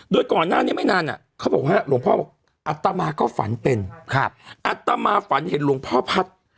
โดยก่อนหน้านี้ไม่นานเขาบอกว่าหลวงพ่อบอกอัตมาก็ฝันเป็นอัตมาฝันเห็นหลวงพ่อพัฒน์